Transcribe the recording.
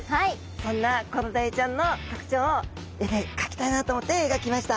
そんなコロダイちゃんの特徴を絵で描きたいなと思って描きました。